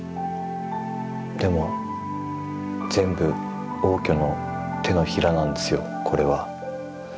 でも全部応挙の手のひらなんですよこれは。